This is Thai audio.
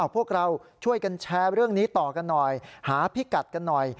พวกเราช่วยกันแชร์เรื่องนี้ต่อกันหน่อยหาพิกัดกันหน่อย